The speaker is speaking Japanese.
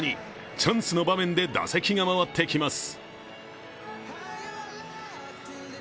チャンスの場面で打席が回ってきます。